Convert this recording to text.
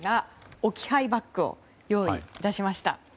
置き配バッグを用意いたしました。